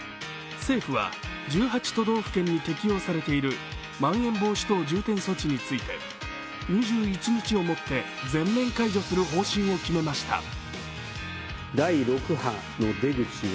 政府は１８都道府県に適用されているまん延防止等重点措置について２１日をもって全面解除する方針を決めました。